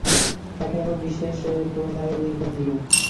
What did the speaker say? তাঁকে আমার বিশেষ প্রণয়ালিঙ্গন দিও।